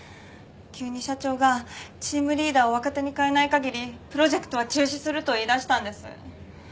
急に社長がチームリーダーを若手に代えない限りプロジェクトは中止すると言い出したんです。